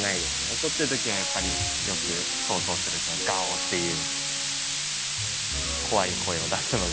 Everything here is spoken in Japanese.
怒ってる時はやっぱりよく想像するガオッていう怖い声を出すので。